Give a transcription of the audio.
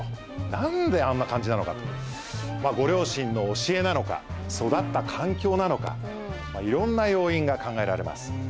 何であんな感じなのかとご両親の教えなのか育った環境なのか色んな要因が考えられます